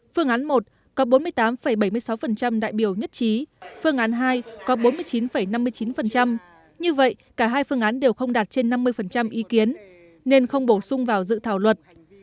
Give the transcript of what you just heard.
phương án một có bốn mươi tám bảy mươi sáu đại biểu nhất trí phương án hai có bốn mươi chín năm mươi chín như vậy cả hai phương án đều không đạt trên năm mươi ý kiến nên không bổ sung vào dự thảo luật